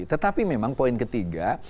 tetapi memang poin ketiga